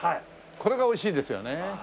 これが美味しいですよね。